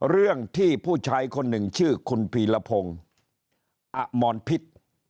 เรื่องที่ผู้ชายคนหนึ่งชื่อคุณพีรพงศ์อมรพิษ